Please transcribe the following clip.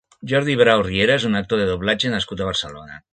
Jordi Brau Riera és un actor de doblatge nascut a Barcelona.